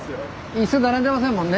椅子並んでませんもんね。